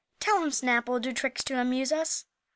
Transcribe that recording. "Tell him Snap will do tricks to amuse us."